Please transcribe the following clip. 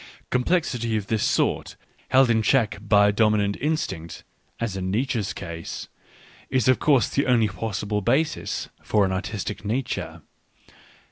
Complexity of this sort, held in check by a dominant instinct, as in Nietzsche's case, is of course the only possible basis of an artistic nature.